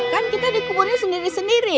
kan kita dikuburin sendiri sendiri